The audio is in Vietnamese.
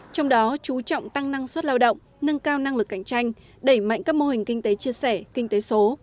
trong đó chú trọng tăng năng suất lao động nâng cao năng lực cạnh tranh đẩy mạnh các mô hình kinh tế chia sẻ kinh tế số